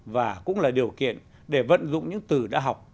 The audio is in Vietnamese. và cũng là điều kiện để vận dụng những từ đã học